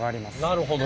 なるほど。